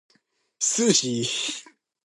Sushi